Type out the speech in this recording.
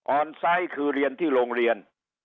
อนไซต์คือเรียนที่โรงเรียน